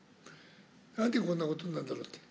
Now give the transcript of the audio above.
なんでこんなことになるんだろうって。